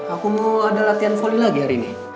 aku mau ada latihan voli lagi hari ini